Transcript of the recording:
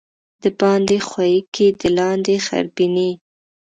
دباندي ښويکى، د لاندي غربينى.